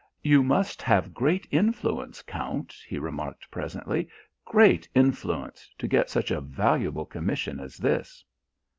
"You must have great influence, Count," he remarked presently "great influence to get such a valuable commission as this!"